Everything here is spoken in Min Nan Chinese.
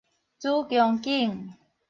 子宮頸